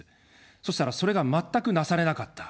そしたら、それが全くなされなかった。